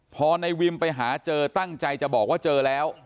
พอในวิมไปหาเจอตั้งใจจะบอกว่าเจอแล้ว